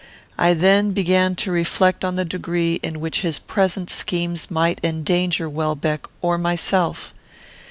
I then began to reflect on the degree in which his present schemes might endanger Welbeck or myself.